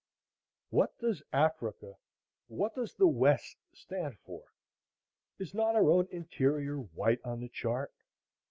What does Africa,—what does the West stand for? Is not our own interior white on the chart?